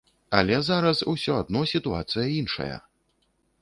Але зараз усё адно сітуацыя іншая.